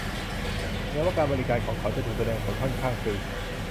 แม้ว่าการบริการของเขาจะถูกแสดงผลค่อนข้างฟรี